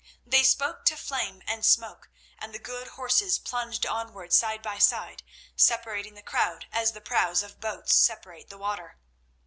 They spoke to Flame and Smoke, and the good horses plunged onward side by side, separating the crowd as the prows of boats separate the water.